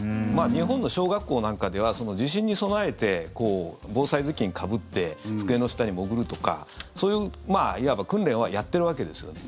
日本の小学校なんかでは地震に備えて防災頭巾をかぶって机の下に潜るとかそういう、いわば訓練はやっているわけですよね。